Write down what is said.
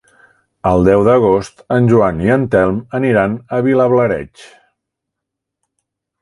El deu d'agost en Joan i en Telm aniran a Vilablareix.